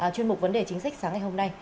chuyên mục vấn đề chính sách sáng ngày hôm nay